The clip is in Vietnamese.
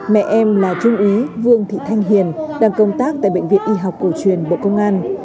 mẹ em là trung úy vương thị thanh hiền đang công tác tại bệnh viện y học cổ truyền bộ công an